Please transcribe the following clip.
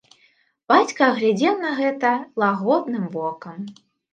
Бацька глядзеў на гэта лагодным вокам.